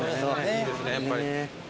・いいですねやっぱり。